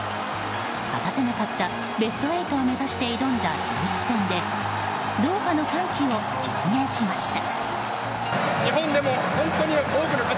果たせなかったベスト８を目指して挑んだドイツ戦でドーハの歓喜を実現しました。